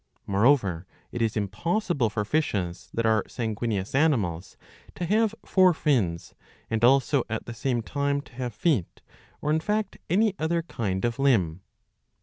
^ Moreover it is impossible for fishes, that are san guineous animals, to have four fins and also at the same time, to have feet or in fact any other kind of limb.